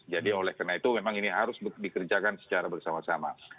jadi karena itu memang ini harus dikerjakan secara bersama sama